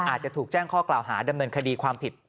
อาจจะถูกแจ้งข้อกล่าวหาดำเนินคดีความผิด